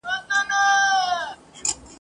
که ښکا ري هر څومره خپل سي نه دوستیړي !.